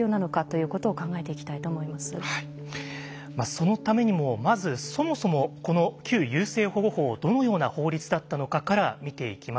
そのためにもまずそもそもこの旧優生保護法はどのような法律だったのかから見ていきます。